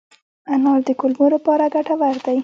انار د کولمو لپاره ګټور دی.